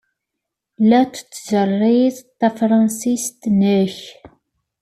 La tettgerriz tefṛensist-nnek.